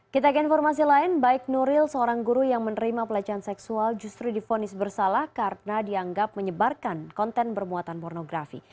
kita ke informasi lain baik nuril seorang guru yang menerima pelecehan seksual justru difonis bersalah karena dianggap menyebarkan konten bermuatan pornografi